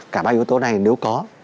cả ba yếu tố này nếu có